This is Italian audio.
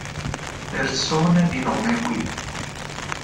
Persone di nome Willy